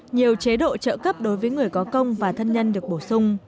nhiều chế độ trợ cấp đối với người có công và thân nhân được bổ sung